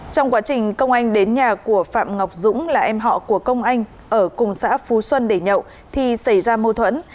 trong quá trình công anh đến nhà của phạm ngọc dũng là em họ của công anh ở cùng xã phú xuân để nhậu thì xảy ra mâu thuẫn